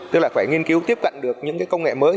tức là phải nghiên cứu tiếp cận được những cái công nghệ mới